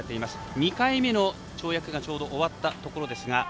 ２回目の跳躍がちょうど終わったところです。